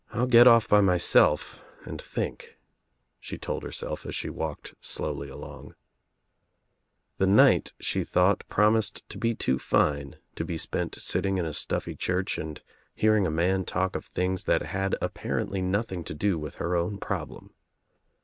"I'll get off by myself and think," she told herself as she walked slowly along. The night she thought promised to be too fine to be spent sitting in a stuffy church and hearing a man talk of things that had apparently nothing to do with her own problem.